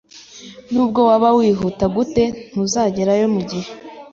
Nubwo waba wihuta gute, ntuzagerayo mugihe.